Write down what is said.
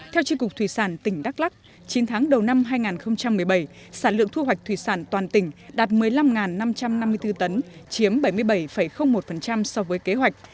theo tri cục thủy sản tỉnh đắk lắc chín tháng đầu năm hai nghìn một mươi bảy sản lượng thu hoạch thủy sản toàn tỉnh đạt một mươi năm năm trăm năm mươi bốn tấn chiếm bảy mươi bảy một so với kế hoạch